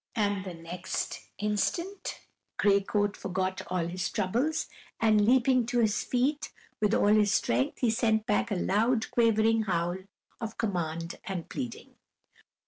And the next instant Gray Coat forgot all his troubles and, leaping to his feet, with all his strength he sent back a loud quavering howl of command and pleading.